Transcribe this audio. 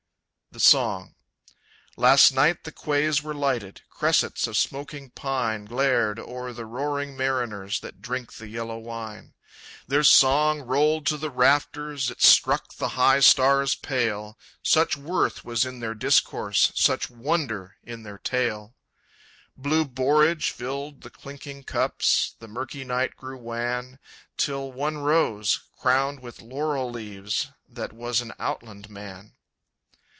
The Song. Last night the quays were lighted; Cressets of smoking pine Glared o'er the roaring mariners That drink the yellow wine. Their song rolled to the rafters, It struck the high stars pale, Such worth was in their discourse, Such wonder in their tale. Blue borage filled the clinking cups, The murky night grew wan, Till one rose, crowned with laurel leaves, That was an outland man.